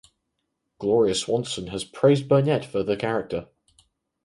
Gloria Swanson has praised Burnett for the character.